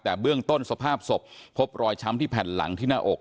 แต่เบื้องต้นสภาพศพพบรอยช้ำที่แผ่นหลังที่หน้าอก